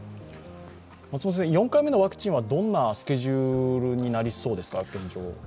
４回目のワクチンはどんなスケジュールになりそうですか、現状。